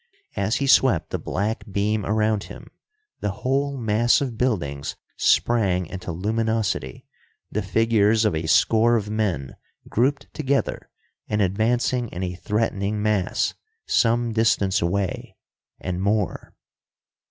As he swept the black beam around him, the whole mass of buildings sprang into luminosity, the figures of a score of men, grouped together, and advancing in a threatening mass, some distance away and more.